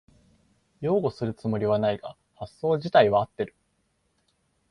擁護するつもりはないが発想じたいは合ってる